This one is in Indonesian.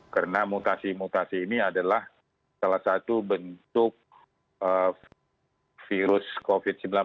karena mutasi mutasi ini adalah salah satu bentuk virus covid sembilan belas